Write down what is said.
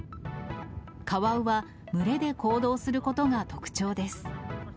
カワウは群れで行動することが特徴です。